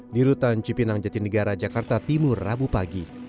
di rutan cipinang jatinegara jakarta timur rabu pagi